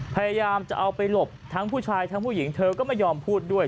พยายามจะเอาไปหลบทั้งผู้ชายทั้งผู้หญิงเธอก็ไม่ยอมพูดด้วย